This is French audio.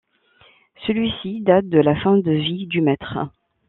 Celui-ci date de la fin de vie du maître.